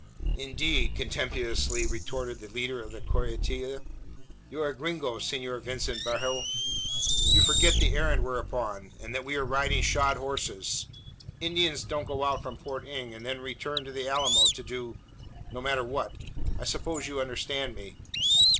"Indeed!" contemptuously retorted the leader of the cuartilla. "You're a gringo, Senor Vicente Barajo! You forget the errand we're upon; and that we are riding shod horses? Indians don't go out from Port Inge and then direct to the Alamo to do no matter what. I suppose you understand me?"